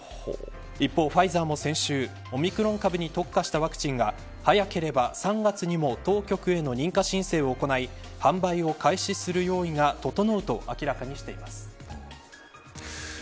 一方、ファイザーも先週オミクロン株に特化したワクチンが早ければ３月にも当局への認可申請を行い販売を開始する用意が整うと明らかにしています。